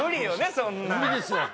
そんなん。